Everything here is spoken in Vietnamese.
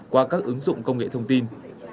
qua các ứng dụng công nghệ thông tin